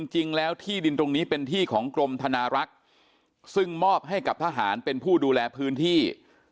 จริงแล้วที่ดินตรงนี้เป็นที่ของกรมธนารักษ์ซึ่งมอบให้กับทหารเป็นผู้ดูแลพื้นที่